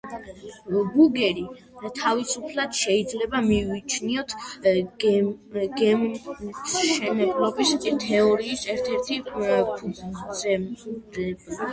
ბუგერი თავისუფლად შეიძლება მივიჩნიოთ გემთმშენებლობის თეორიის ერთ-ერთ ფუძემდებლად.